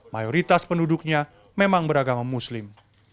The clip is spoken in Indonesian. mayoritas penduduknya memang beragama muslim